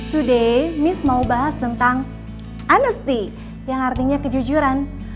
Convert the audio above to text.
hari ini saya mau bahas tentang kejujuran